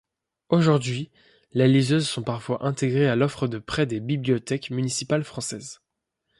Aujourd'hui, les liseuses sont parfois intégrées à l'offre de prêt des bibliothèques municipales françaises.